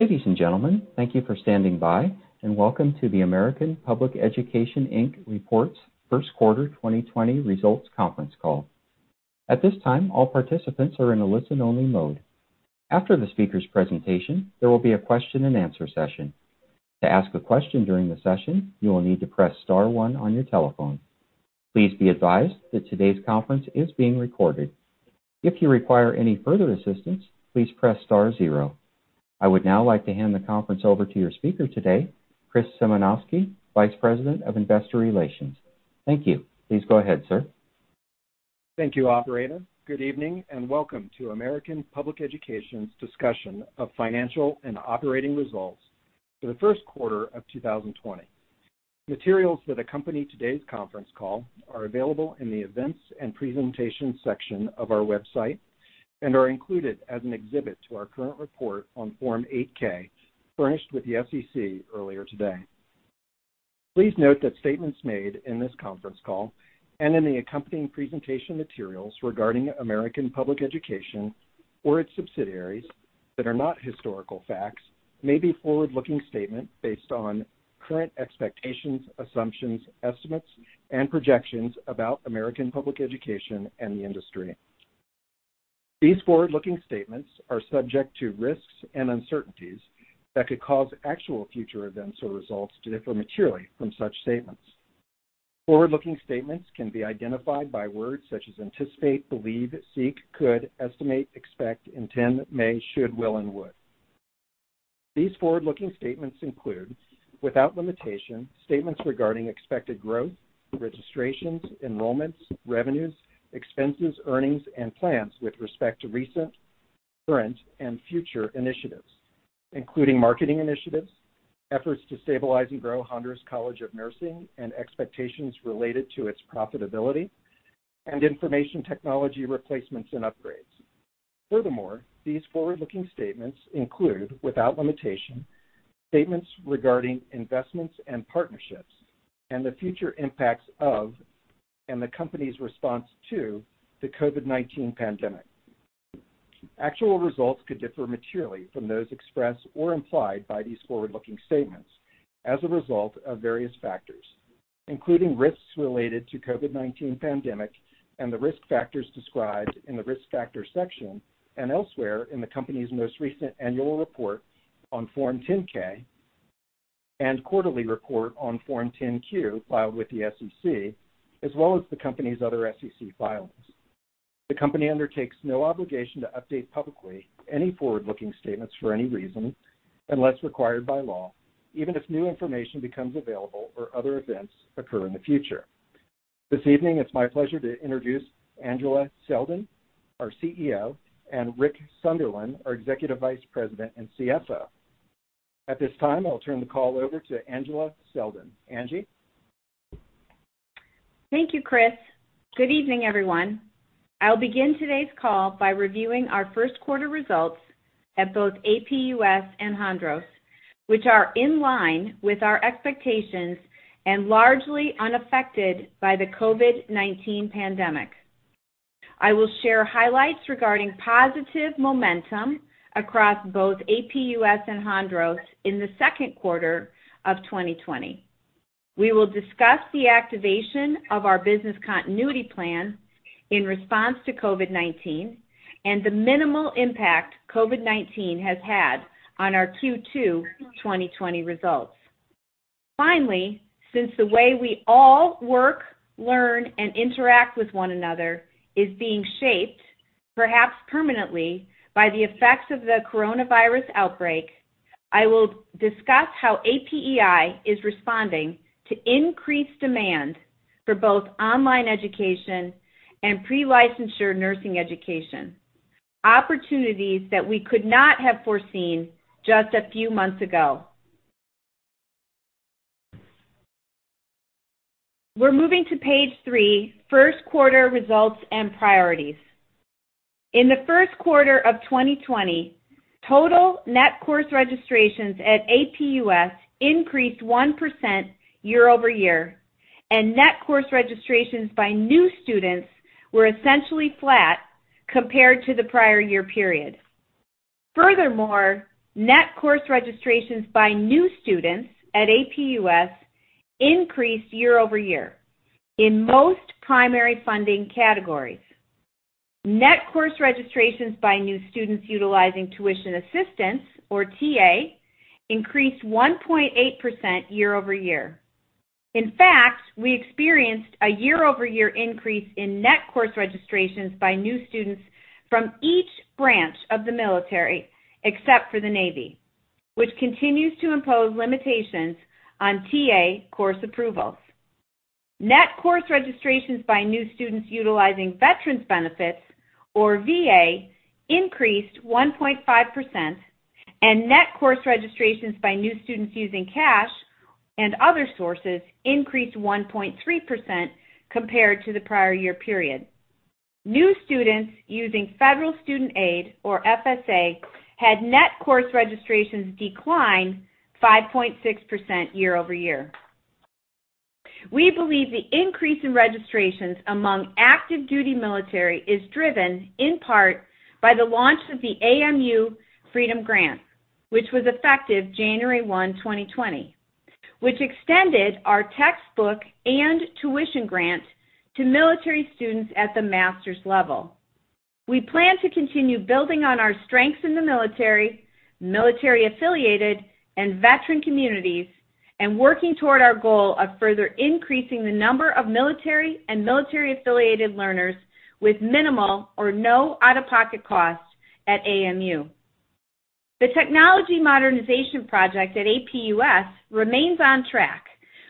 Ladies and gentlemen, thank you for standing by, and welcome to the American Public Education, Inc., Reports First Quarter 2020 Results Conference Call. At this time, all participants are in a listen-only mode. After the speaker's presentation, there will be a question and answer session. To ask a question during the session, you will need to press star one on your telephone. Please be advised that today's conference is being recorded. If you require any further assistance, please press star zero. I would now like to hand the conference over to your speaker today, Chris Symanoskie, Vice President of Investor Relations. Thank you. Please go ahead, sir. Thank you, operator. Good evening, and welcome to American Public Education's discussion of financial and operating results for the first quarter of 2020. Materials that accompany today's conference call are available in the events and presentations section of our website and are included as an exhibit to our current report on Form 8-K furnished with the SEC earlier today. Please note that statements made in this conference call and in the accompanying presentation materials regarding American Public Education or its subsidiaries that are not historical facts may be forward-looking statements based on current expectations, assumptions, estimates, and projections about American Public Education and the industry. These forward-looking statements are subject to risks and uncertainties that could cause actual future events or results to differ materially from such statements. Forward-looking statements can be identified by words such as anticipate, believe, seek, could, estimate, expect, intend, may, should, will, and would. These forward-looking statements include, without limitation, statements regarding expected growth, registrations, enrollments, revenues, expenses, earnings, and plans with respect to recent, current, and future initiatives, including marketing initiatives, efforts to stabilize and grow Hondros College of Nursing, and expectations related to its profitability, and information technology replacements and upgrades. Furthermore, these forward-looking statements include, without limitation, statements regarding investments and partnerships and the future impacts of and the company's response to the COVID-19 pandemic. Actual results could differ materially from those expressed or implied by these forward-looking statements as a result of various factors, including risks related to COVID-19 pandemic and the risk factors described in the Risk Factors section and elsewhere in the company's most recent annual report on Form 10-K and quarterly report on Form 10-Q filed with the SEC, as well as the company's other SEC filings. The company undertakes no obligation to update publicly any forward-looking statements for any reason, unless required by law, even if new information becomes available or other events occur in the future. This evening, it's my pleasure to introduce Angela Selden, our CEO, and Rick Sunderland, our Executive Vice President and CFO. At this time, I'll turn the call over to Angela Selden. Angie? Thank you, Chris. Good evening, everyone. I'll begin today's call by reviewing our first quarter results at both APUS and Hondros, which are in line with our expectations and largely unaffected by the COVID-19 pandemic. I will share highlights regarding positive momentum across both APUS and Hondros in the second quarter of 2020. We will discuss the activation of our business continuity plan in response to COVID-19 and the minimal impact COVID-19 has had on our Q2 2020 results. Since the way we all work, learn, and interact with one another is being shaped, perhaps permanently, by the effects of the coronavirus outbreak, I will discuss how APEI is responding to increased demand for both online education and pre-licensure nursing education, opportunities that we could not have foreseen just a few months ago. We're moving to page three, first quarter results and priorities. In the first quarter of 2020, total net course registrations at APUS increased 1% year-over-year, and net course registrations by new students were essentially flat compared to the prior year period. Net course registrations by new students at APUS increased year-over-year in most primary funding categories. Net course registrations by new students utilizing tuition assistance, or TA, increased 1.8% year-over-year. We experienced a year-over-year increase in net course registrations by new students from each branch of the military, except for the Navy, which continues to impose limitations on TA course approvals. Net course registrations by new students utilizing veterans benefits, or VA, increased 1.5%, and net course registrations by new students using cash and other sources increased 1.3% compared to the prior year period. New students using Federal Student Aid, or FSA, had net course registrations decline 5.6% year-over-year. We believe the increase in registrations among active duty military is driven in part by the launch of the AMU Freedom Grant, which was effective January 1, 2020, which extended our textbook and tuition grant to military students at the master's level. We plan to continue building on our strengths in the military-affiliated, and veteran communities, and working toward our goal of further increasing the number of military and military-affiliated learners with minimal or no out-of-pocket costs at AMU. The technology modernization project at APUS remains on track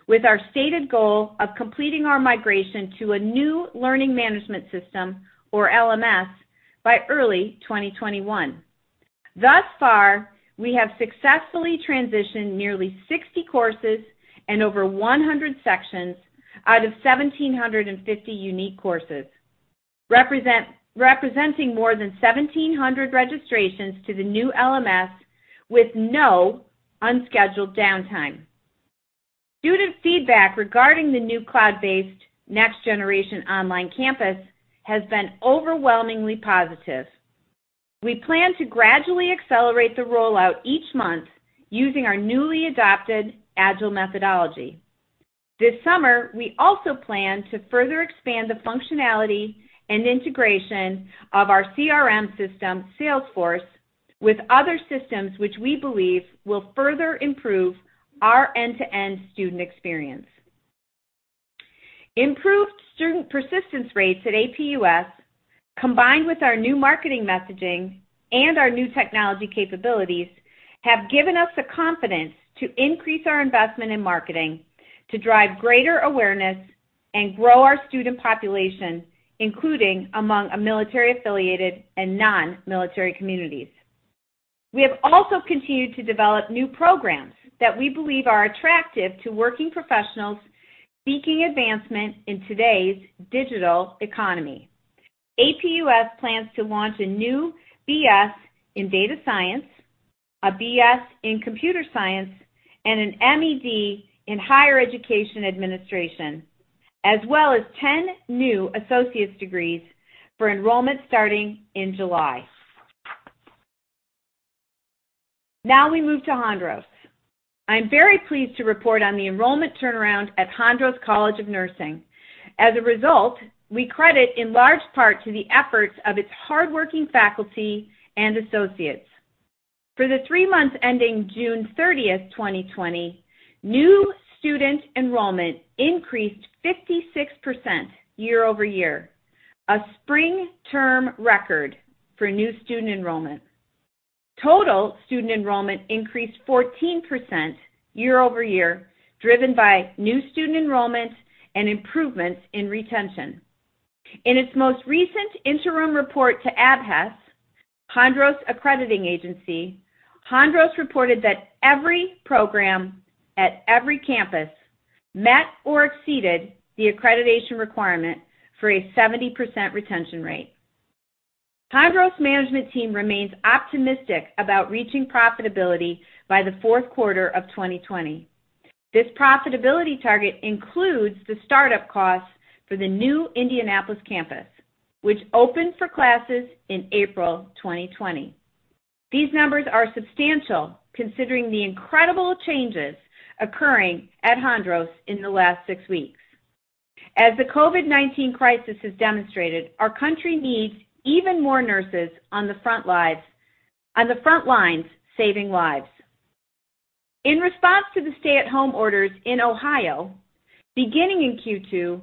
with our stated goal of completing our migration to a new learning management system, or LMS, by early 2021. Thus far, we have successfully transitioned nearly 60 courses and over 100 sections out of 1,750 unique courses, representing more than 1,700 registrations to the new LMS with no unscheduled downtime. Student feedback regarding the new cloud-based next-generation online campus has been overwhelmingly positive. We plan to gradually accelerate the rollout each month using our newly adopted Agile methodology. This summer, we also plan to further expand the functionality and integration of our CRM system, Salesforce, with other systems, which we believe will further improve our end-to-end student experience. Improved student persistence rates at APUS, combined with our new marketing messaging and our new technology capabilities, have given us the confidence to increase our investment in marketing to drive greater awareness and grow our student population, including among military-affiliated and non-military communities. We have also continued to develop new programs that we believe are attractive to working professionals seeking advancement in today's digital economy. APUS plans to launch a new BS in Data Science, a BS in Computer Science, and an MEd in Higher Education Administration, as well as 10 new associate's degrees for enrollment starting in July. Now we move to Hondros. I'm very pleased to report on the enrollment turnaround at Hondros College of Nursing. As a result, we credit in large part to the efforts of its hardworking faculty and associates. For the three months ending June 30th, 2020, new student enrollment increased 56% year-over-year, a spring term record for new student enrollment. Total student enrollment increased 14% year-over-year, driven by new student enrollment and improvements in retention. In its most recent interim report to ABHES, Hondros' accrediting agency, Hondros reported that every program at every campus met or exceeded the accreditation requirement for a 70% retention rate. Hondros' management team remains optimistic about reaching profitability by the fourth quarter of 2020. This profitability target includes the start-up costs for the new Indianapolis campus, which opened for classes in April 2020. These numbers are substantial considering the incredible changes occurring at Hondros in the last six weeks. As the COVID-19 crisis has demonstrated, our country needs even more nurses on the front lines saving lives. In response to the stay-at-home orders in Ohio, beginning in Q2,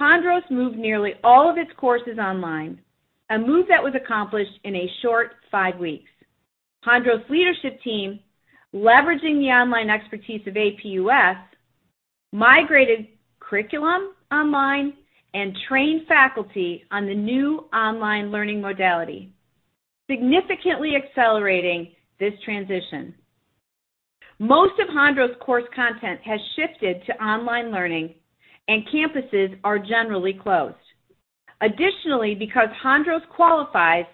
Hondros moved nearly all of its courses online, a move that was accomplished in a short five weeks. Hondros' leadership team, leveraging the online expertise of APUS, migrated curriculum online and trained faculty on the new online learning modality, significantly accelerating this transition. Most of Hondros' course content has shifted to online learning and campuses are generally closed. Because Hondros qualifies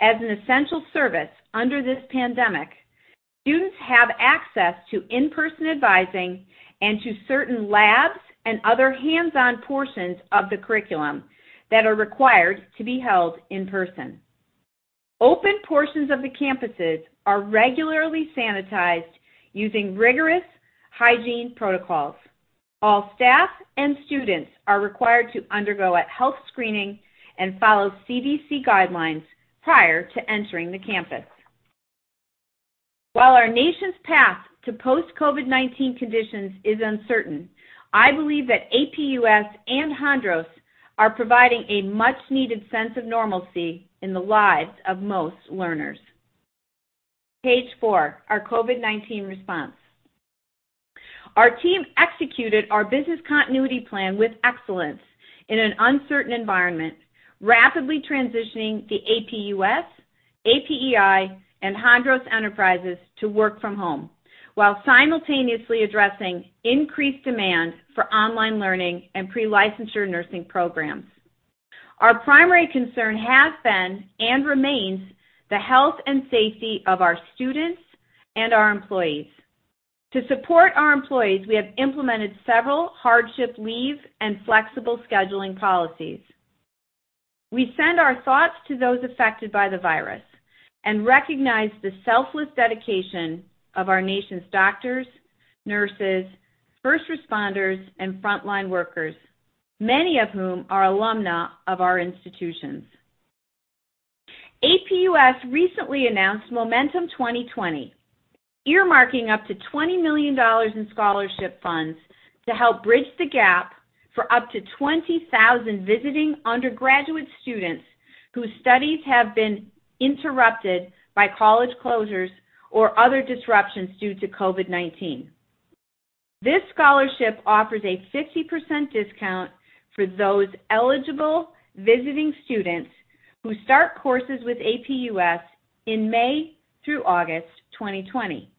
as an essential service under this pandemic, students have access to in-person advising and to certain labs and other hands-on portions of the curriculum that are required to be held in person. Open portions of the campuses are regularly sanitized using rigorous hygiene protocols. All staff and students are required to undergo a health screening and follow CDC guidelines prior to entering the campus. While our nation's path to post-COVID-19 conditions is uncertain, I believe that APUS and Hondros are providing a much needed sense of normalcy in the lives of most learners. Page four, our COVID-19 response. Our team executed our business continuity plan with excellence in an uncertain environment, rapidly transitioning the APUS, APEI, and Hondros Enterprises to work from home while simultaneously addressing increased demand for online learning and pre-licensure nursing programs. Our primary concern has been, and remains, the health and safety of our students and our employees. To support our employees, we have implemented several hardship leave and flexible scheduling policies. We send our thoughts to those affected by the virus and recognize the selfless dedication of our nation's doctors, nurses, first responders, and frontline workers, many of whom are alumni of our institutions. APUS recently announced Momentum 2020, earmarking up to $20 million in scholarship funds to help bridge the gap for up to 20,000 visiting undergraduate students whose studies have been interrupted by college closures or other disruptions due to COVID-19. This scholarship offers a 50% discount for those eligible visiting students who start courses with APUS in May through August 2020.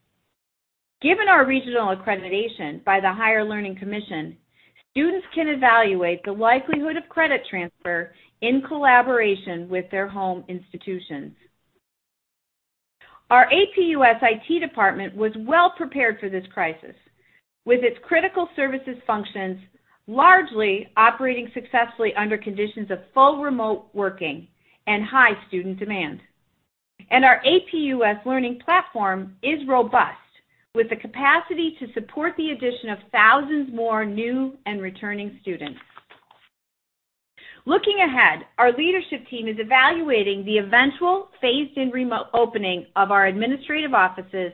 Given our regional accreditation by the Higher Learning Commission, students can evaluate the likelihood of credit transfer in collaboration with their home institutions. Our APUS IT department was well prepared for this crisis, with its critical services functions largely operating successfully under conditions of full remote working and high student demand. Our APUS learning platform is robust, with the capacity to support the addition of thousands more new and returning students. Looking ahead, our leadership team is evaluating the eventual phased and remote opening of our administrative offices,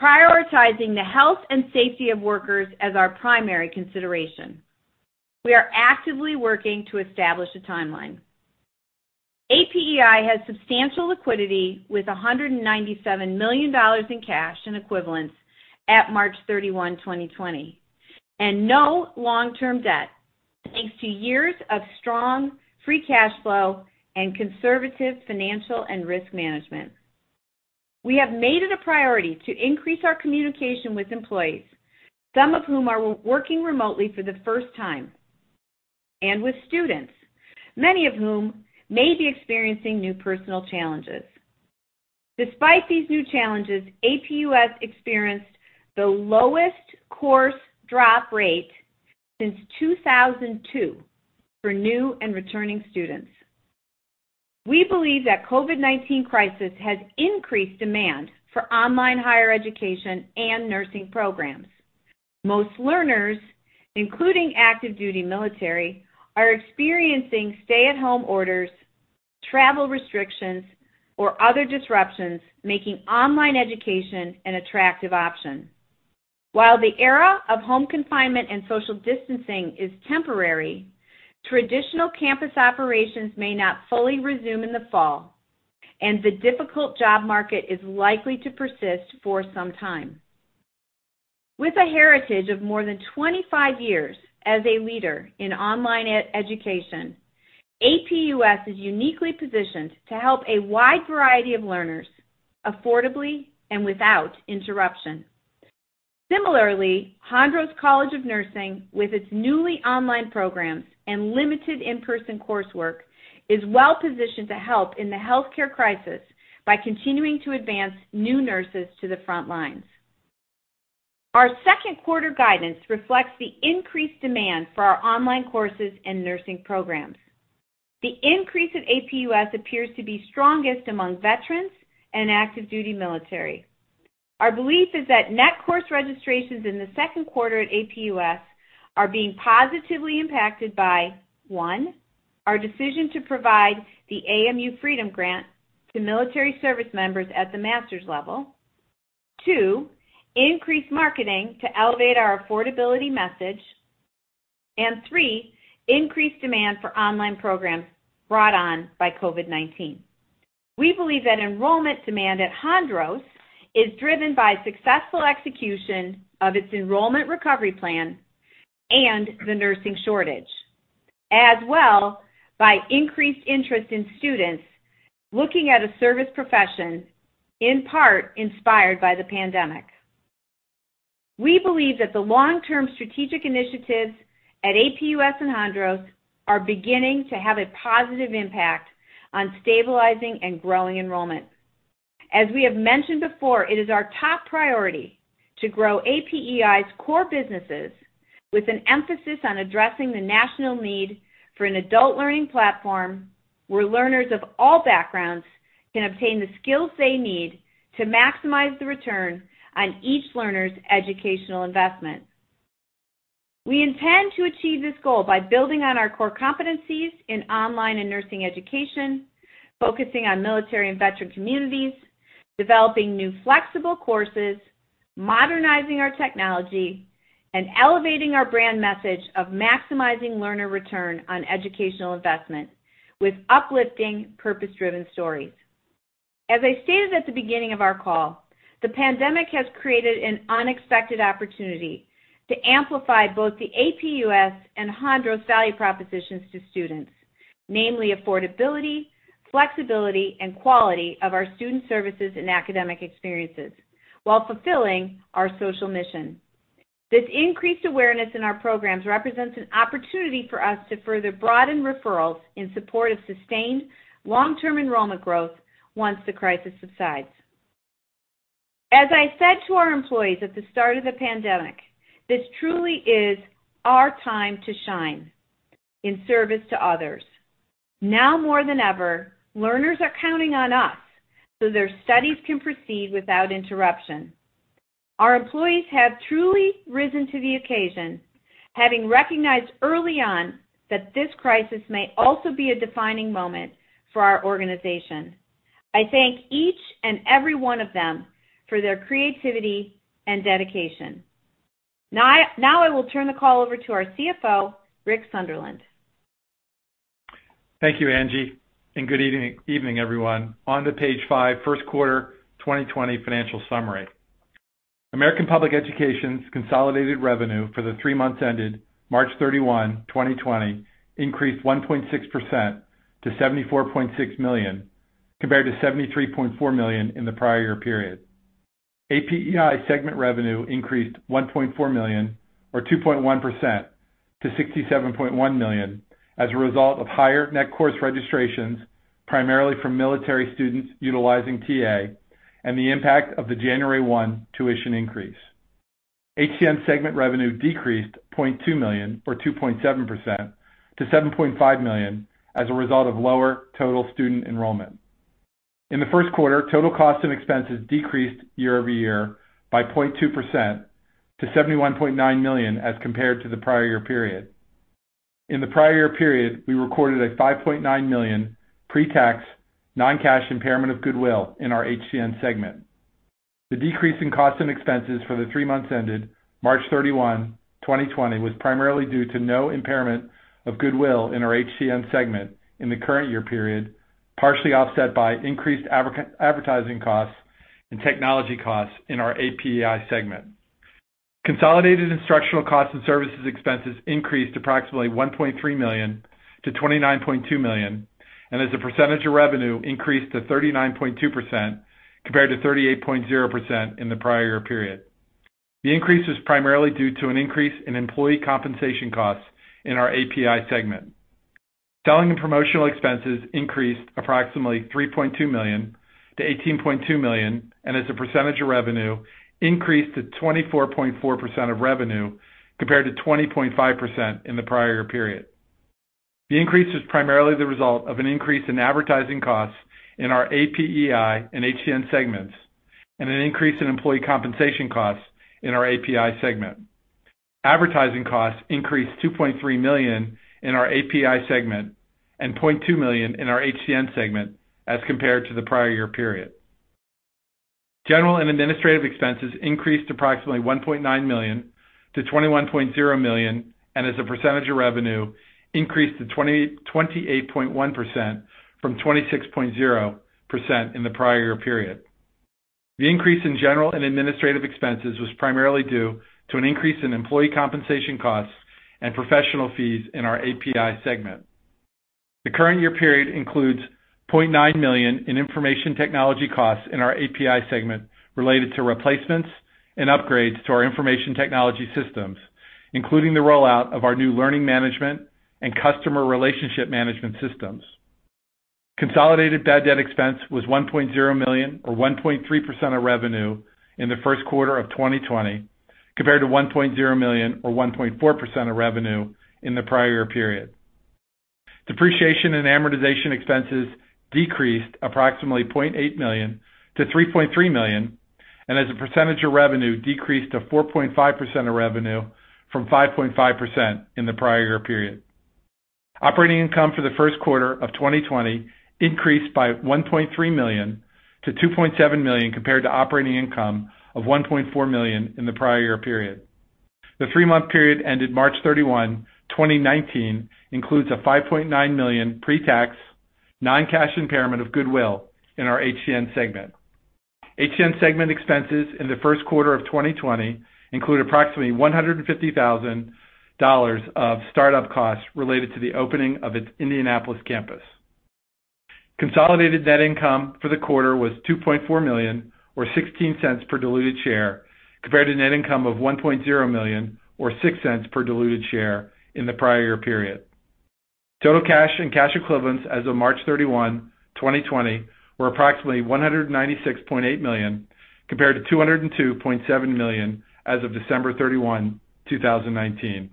prioritizing the health and safety of workers as our primary consideration. We are actively working to establish a timeline. APEI has substantial liquidity, with $197 million in cash and equivalents at March 31, 2020, and no long-term debt, thanks to years of strong free cash flow and conservative financial and risk management. We have made it a priority to increase our communication with employees, some of whom are working remotely for the first time, and with students, many of whom may be experiencing new personal challenges. Despite these new challenges, APUS experienced the lowest course drop rate since 2002 for new and returning students. We believe that COVID-19 crisis has increased demand for online higher education and nursing programs. Most learners, including active duty military, are experiencing stay-at-home orders, travel restrictions, or other disruptions, making online education an attractive option. While the era of home confinement and social distancing is temporary, traditional campus operations may not fully resume in the fall, and the difficult job market is likely to persist for some time. With a heritage of more than 25 years as a leader in online education, APUS is uniquely positioned to help a wide variety of learners affordably and without interruption. Similarly, Hondros College of Nursing, with its newly online programs and limited in-person coursework, is well positioned to help in the healthcare crisis by continuing to advance new nurses to the front lines. Our second quarter guidance reflects the increased demand for our online courses and nursing programs. The increase at APUS appears to be strongest among veterans and active duty military. Our belief is that net course registrations in the second quarter at APUS are being positively impacted by, one, our decision to provide the AMU Freedom Grant to military service members at the master's level, two, increased marketing to elevate our affordability message, and three, increased demand for online programs brought on by COVID-19. We believe that enrollment demand at Hondros is driven by successful execution of its enrollment recovery plan and the nursing shortage, as well by increased interest in students looking at a service profession, in part inspired by the pandemic. We believe that the long-term strategic initiatives at APUS and Hondros are beginning to have a positive impact on stabilizing and growing enrollment. As we have mentioned before, it is our top priority to grow APEI's core businesses with an emphasis on addressing the national need for an adult learning platform where learners of all backgrounds can obtain the skills they need to maximize the return on each learner's educational investment. We intend to achieve this goal by building on our core competencies in online and nursing education, focusing on military and veteran communities, developing new flexible courses, modernizing our technology, and elevating our brand message of maximizing learner return on educational investment with uplifting, purpose-driven stories. As I stated at the beginning of our call, the pandemic has created an unexpected opportunity to amplify both the APUS and Hondros value propositions to students, namely affordability, flexibility, and quality of our student services and academic experiences while fulfilling our social mission. This increased awareness in our programs represents an opportunity for us to further broaden referrals in support of sustained long-term enrollment growth once the crisis subsides. As I said to our employees at the start of the pandemic, this truly is our time to shine in service to others. Now more than ever, learners are counting on us so their studies can proceed without interruption. Our employees have truly risen to the occasion, having recognized early on that this crisis may also be a defining moment for our organization. I thank each and every one of them for their creativity and dedication. I will turn the call over to our CFO, Rick Sunderland. Thank you, Angie, and good evening, everyone. On to page five, first quarter 2020 financial summary. American Public Education's consolidated revenue for the three months ended March 31, 2020, increased 1.6% to $74.6 million, compared to $73.4 million in the prior year period. APEI segment revenue increased $1.4 million or 2.1% to $67.1 million as a result of higher net course registrations, primarily from military students utilizing TA and the impact of the January 1 tuition increase. Hondros segment revenue decreased $0.2 million or 2.7% to $7.5 million as a result of lower total student enrollment. In the first quarter, total costs and expenses decreased year-over-year by 0.2% to $71.9 million as compared to the prior year period. In the prior year period, we recorded a $5.9 million pre-tax non-cash impairment of goodwill in our HCN segment. The decrease in costs and expenses for the three months ended March 31, 2020, was primarily due to no impairment of goodwill in our HCN segment in the current year period, partially offset by increased advertising costs and technology costs in our APEI segment. Consolidated instructional costs and services expenses increased approximately $1.3 million to $29.2 million, and as a percentage of revenue increased to 39.2% compared to 38.0% in the prior year period. The increase was primarily due to an increase in employee compensation costs in our APEI segment. Selling and promotional expenses increased approximately $3.2 million to $18.2 million, and as a percentage of revenue, increased to 24.4% of revenue, compared to 20.5% in the prior year period. The increase was primarily the result of an increase in advertising costs in our APEI and HCN segments, and an increase in employee compensation costs in our APEI segment. Advertising costs increased $2.3 million in our APEI segment and $0.2 million in our HCN segment as compared to the prior year period. General and administrative expenses increased approximately $1.9 million-$21.0 million, and as a percentage of revenue, increased to 28.1% from 26.0% in the prior year period. The increase in general and administrative expenses was primarily due to an increase in employee compensation costs and professional fees in our APEI segment. The current year period includes $0.9 million in information technology costs in our APEI segment related to replacements and upgrades to our information technology systems, including the rollout of our new learning management and customer relationship management systems. Consolidated bad debt expense was $1.0 million or 1.3% of revenue in the first quarter of 2020, compared to $1.0 million or 1.4% of revenue in the prior year period. Depreciation and amortization expenses decreased approximately $0.8 million-$3.3 million, and as a percentage of revenue decreased to 4.5% of revenue from 5.5% in the prior year period. Operating income for the first quarter of 2020 increased by $1.3 million-$2.7 million compared to operating income of $1.4 million in the prior year period. The three-month period ended March 31, 2019, includes a $5.9 million pre-tax non-cash impairment of goodwill in our HCN segment. HCN segment expenses in the first quarter of 2020 include approximately $150,000 of startup costs related to the opening of its Indianapolis campus. Consolidated net income for the quarter was $2.4 million or $0.16 per diluted share, compared to net income of $1.0 million or $0.06 per diluted share in the prior year period. Total cash and cash equivalents as of March 31, 2020, were approximately $196.8 million, compared to $202.7 million as of December 31, 2019.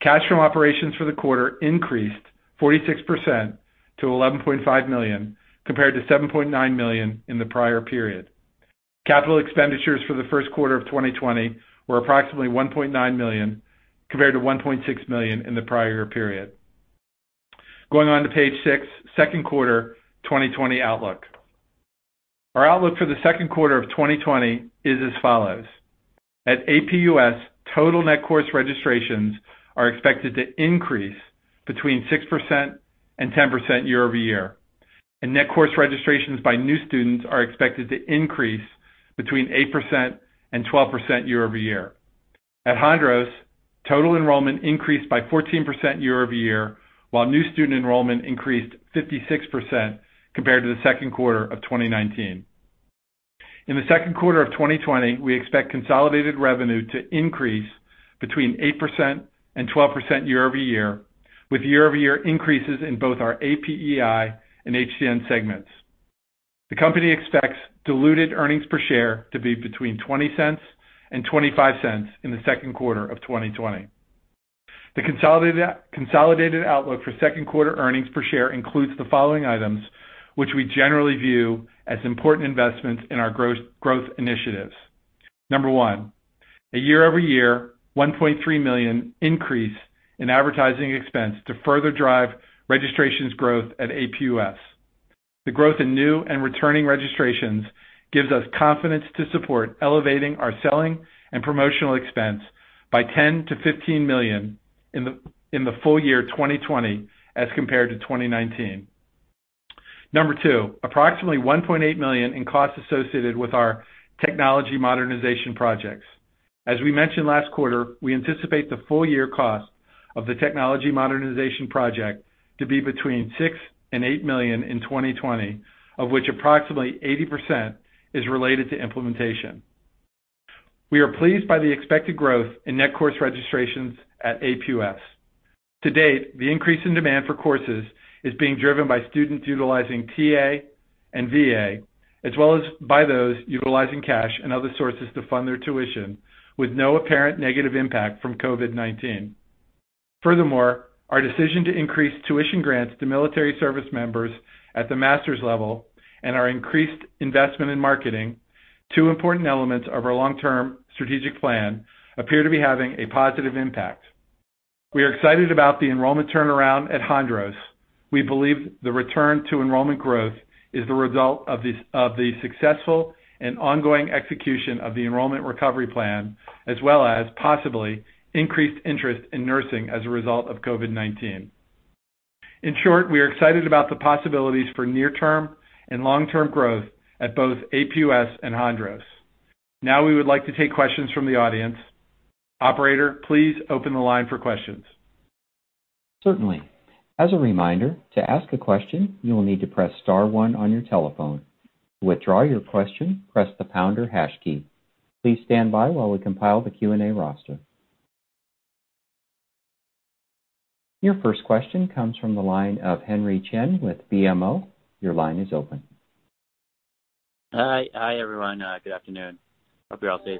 Cash from operations for the quarter increased 46% to $11.5 million, compared to $7.9 million in the prior period. Capital expenditures for the first quarter of 2020 were approximately $1.9 million, compared to $1.6 million in the prior year period. Going on to page six, second quarter 2020 outlook. Our outlook for the second quarter of 2020 is as follows. At APUS, total net course registrations are expected to increase between 6% and 10% year-over-year, and net course registrations by new students are expected to increase between 8% and 12% year-over-year. At Hondros, total enrollment increased by 14% year-over-year, while new student enrollment increased 56% compared to the second quarter of 2019. In the second quarter of 2020, we expect consolidated revenue to increase between 8% and 12% year-over-year, with year-over-year increases in both our APEI and Hondros segments. The company expects diluted earnings per share to be between $0.20 and $0.25 in the second quarter of 2020. The consolidated outlook for second quarter earnings per share includes the following items, which we generally view as important investments in our growth initiatives. Number one, a year-over-year $1.3 million increase in advertising expense to further drive registrations growth at APUS. The growth in new and returning registrations gives us confidence to support elevating our selling and promotional expense by $10 million-$15 million in the full year 2020 as compared to 2019. Number two, approximately $1.8 million in costs associated with our technology modernization projects. As we mentioned last quarter, we anticipate the full year cost of the technology modernization project to be between $6 million and $8 million in 2020, of which approximately 80% is related to implementation. We are pleased by the expected growth in net course registrations at APUS. To date, the increase in demand for courses is being driven by students utilizing TA and VA, as well as by those utilizing cash and other sources to fund their tuition with no apparent negative impact from COVID-19. Furthermore, our decision to increase tuition grants to military service members at the master's level and our increased investment in marketing, two important elements of our long-term strategic plan, appear to be having a positive impact. We are excited about the enrollment turnaround at Hondros. We believe the return to enrollment growth is the result of the successful and ongoing execution of the enrollment recovery plan, as well as possibly increased interest in nursing as a result of COVID-19. In short, we are excited about the possibilities for near-term and long-term growth at both APUS and Hondros. Now we would like to take questions from the audience. Operator, please open the line for questions. Certainly. As a reminder, to ask a question, you will need to press star one on your telephone. To withdraw your question, press the pound or hash key. Please stand by while we compile the Q&A roster. Your first question comes from the line of Henry Chien with BMO. Your line is open. Hi, everyone. Good afternoon. Hope you're all safe.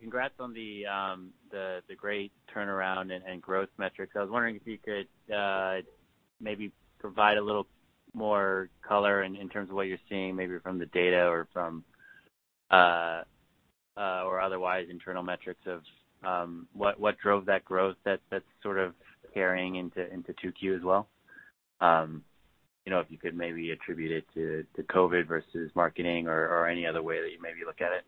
Congrats on the great turnaround and growth metrics. I was wondering if you could maybe provide a little more color in terms of what you're seeing, maybe from the data or otherwise internal metrics of what drove that growth that's sort of carrying into 2Q as well. If you could maybe attribute it to COVID versus marketing or any other way that you maybe look at it.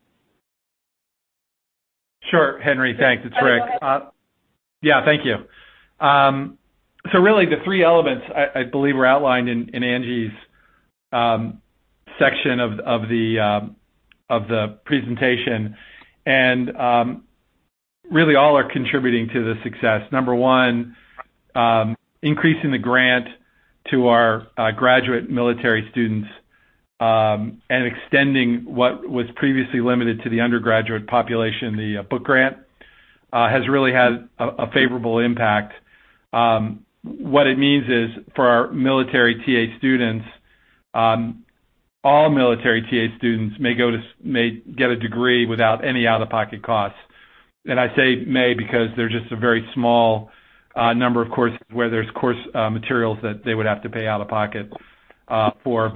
Sure, Henry. Thanks. It's Rick. Yeah, thank you. Really the three elements I believe were outlined in Angie's section of the presentation, and really all are contributing to the success. Number one, increasing the grant to our graduate military students, and extending what was previously limited to the undergraduate population, the book grant, has really had a favorable impact. What it means is for our military TA students, all military TA students may get a degree without any out-of-pocket costs. I say may because there's just a very small number of courses where there's course materials that they would have to pay out of pocket for.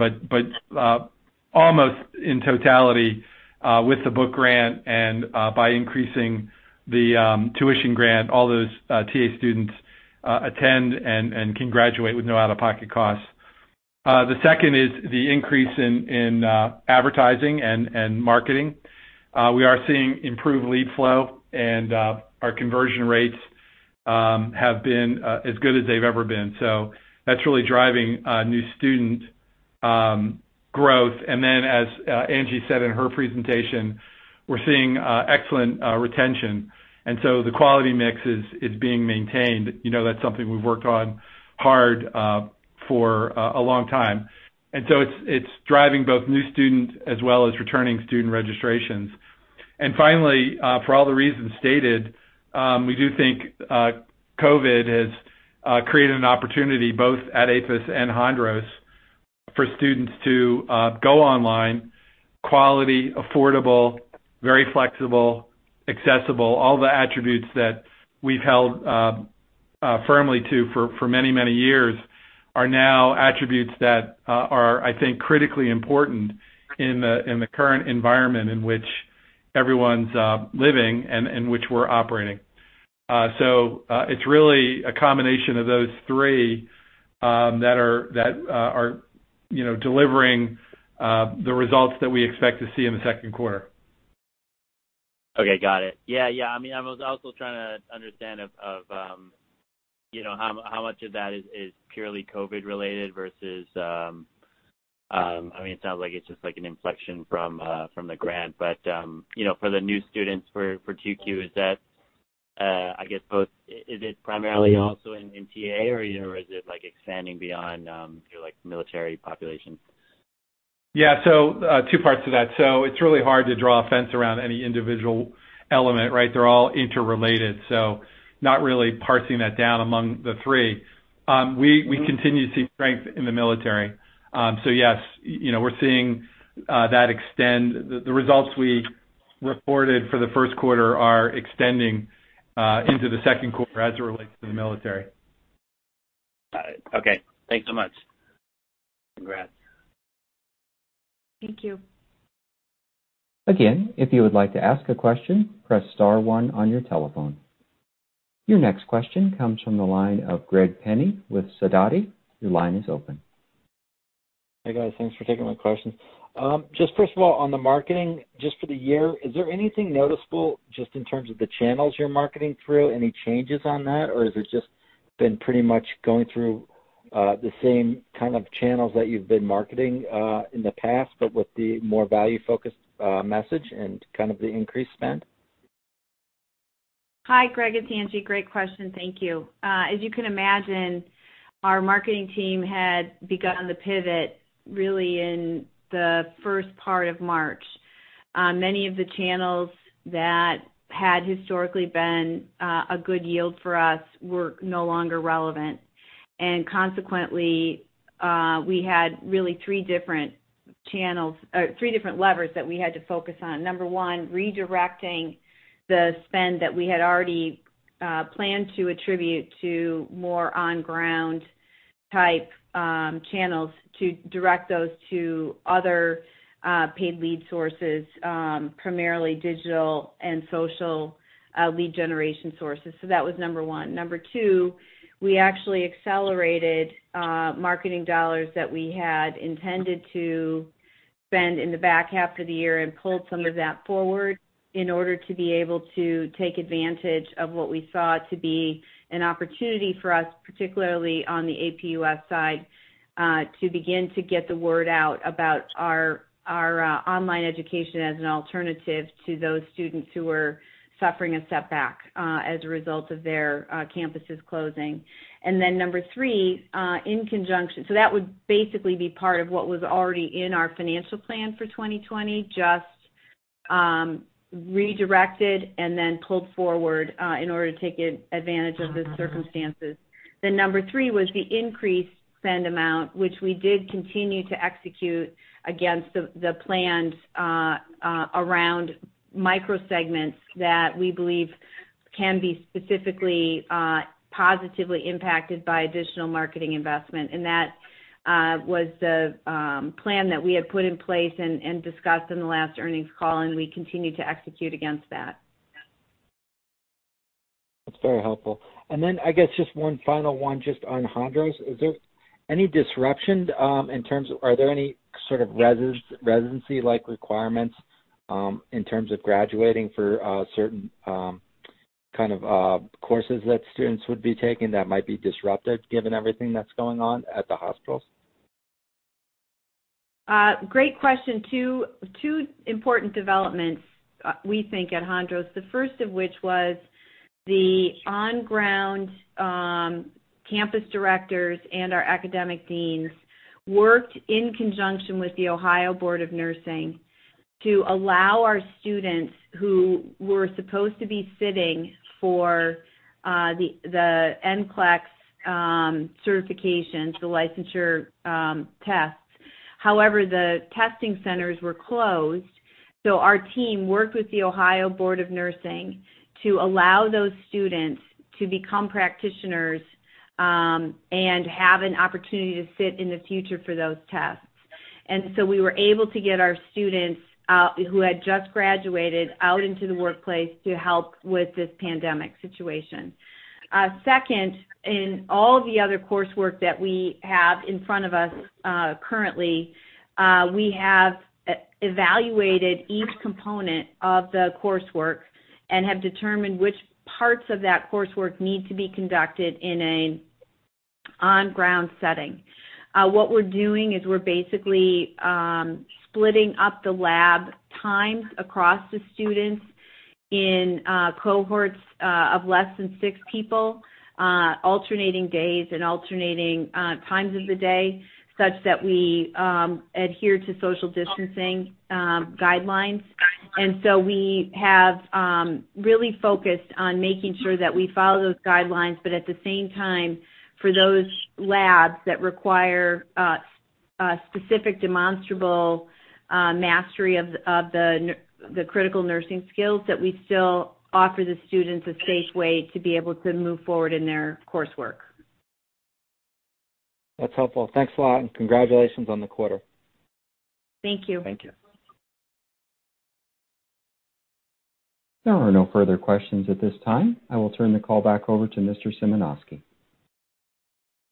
Almost in totality, with the book grant and by increasing the tuition grant, all those TA students attend and can graduate with no out-of-pocket costs. The second is the increase in advertising and marketing. We are seeing improved lead flow, and our conversion rates have been as good as they've ever been. That's really driving new student growth. Then, as Angie said in her presentation, we're seeing excellent retention, and so the quality mix is being maintained. That's something we've worked on hard for a long time. So it's driving both new student as well as returning student registrations. Finally, for all the reasons stated, we do think COVID has created an opportunity, both at APUS and Hondros, for students to go online. Quality, affordable, very flexible, accessible, all the attributes that we've held firmly to for many, many years are now attributes that are, I think, critically important in the current environment in which everyone's living and in which we're operating. It's really a combination of those three that are delivering the results that we expect to see in the second quarter. Okay, got it. Yeah. I was also trying to understand how much of that is purely COVID-related versus it sounds like it's just an inflection from the grant. For the new students for 2Q, is that, I guess both, is it primarily also in TA, or is it expanding beyond your military population? Yeah. Two parts to that. It's really hard to draw a fence around any individual element, right? They're all interrelated, so not really parsing that down among the three. We continue to see strength in the military. Yes, we're seeing that extend. The results we reported for the first quarter are extending into the second quarter as it relates to the military. Got it. Okay. Thanks so much. Congrats. Thank you. Again, if you would like to ask a question, press star one on your telephone. Your next question comes from the line of Greg Pendy with Sidoti. Your line is open. Hey, guys. Thanks for taking my questions. Just first of all, on the marketing, just for the year, is there anything noticeable just in terms of the channels you're marketing through? Any changes on that, or has it just been pretty much going through the same kind of channels that you've been marketing in the past, but with the more value-focused message and kind of the increased spend? Hi, Greg, it's Angie. Great question. Thank you. As you can imagine, our marketing team had begun the pivot really in the first part of March. Many of the channels that had historically been a good yield for us were no longer relevant. Consequently, we had really three different levers that we had to focus on. Number one, redirecting the spend that we had already planned to attribute to more on-ground type channels to direct those to other paid lead sources, primarily digital and social lead generation sources. That was number one. Number two, we actually accelerated marketing dollars that we had intended to spend in the back half of the year and pulled some of that forward in order to be able to take advantage of what we saw to be an opportunity for us, particularly on the APUS side, to begin to get the word out about our online education as an alternative to those students who were suffering a setback as a result of their campuses closing. That would basically be part of what was already in our financial plan for 2020, just redirected and then pulled forward, in order to take advantage of the circumstances. Number three was the increased spend amount, which we did continue to execute against the plans around micro segments that we believe can be specifically positively impacted by additional marketing investment. That was the plan that we had put in place and discussed in the last earnings call, and we continue to execute against that. That's very helpful. I guess just one final one just on Hondros. Is there any disruption? Are there any sort of residency like requirements in terms of graduating for certain kind of courses that students would be taking that might be disrupted given everything that's going on at the hospitals? Great question. Two important developments we think at Hondros. The first of which was the on-ground campus directors and our academic deans worked in conjunction with the Ohio Board of Nursing to allow our students who were supposed to be sitting for the NCLEX certification, the licensure tests. However, the testing centers were closed, so our team worked with the Ohio Board of Nursing to allow those students to become practitioners, and have an opportunity to sit in the future for those tests. We were able to get our students who had just graduated out into the workplace to help with this pandemic situation. Second, in all the other coursework that we have in front of us currently, we have evaluated each component of the coursework and have determined which parts of that coursework need to be conducted in an on-ground setting. What we're doing is we're basically splitting up the lab times across the students in cohorts of less than six people, alternating days and alternating times of the day, such that we adhere to social distancing guidelines. We have really focused on making sure that we follow those guidelines. At the same time, for those labs that require specific demonstrable mastery of the critical nursing skills that we still offer the students a safe way to be able to move forward in their coursework. That's helpful. Thanks a lot, and congratulations on the quarter. Thank you. Thank you. There are no further questions at this time. I will turn the call back over to Mr. Symanoskie.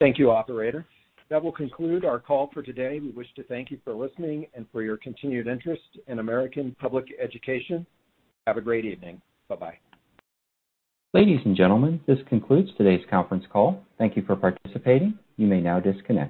Thank you, operator. That will conclude our call for today. We wish to thank you for listening and for your continued interest in American Public Education. Have a great evening. Bye-bye. Ladies and gentlemen, this concludes today's conference call. Thank you for participating. You may now disconnect.